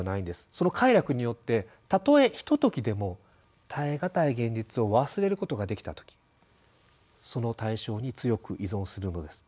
その快楽によってたとえひとときでも耐え難い現実を忘れることができた時その対象に強く依存するのです。